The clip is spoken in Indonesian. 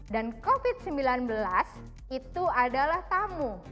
dan covid sembilan belas itu adalah tamu